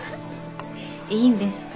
いいんですか？